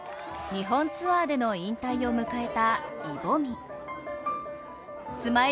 日本ツアーでの引退を迎えたイ・ボミ。